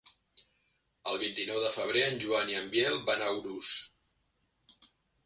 El vint-i-nou de febrer en Joan i en Biel van a Urús.